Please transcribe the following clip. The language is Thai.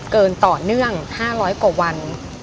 ต่อเนื่อง๕๐๐กว่าวัน